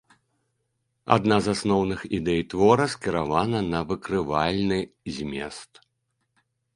Адна з асноўных ідэй твора скіравана на выкрывальны змест.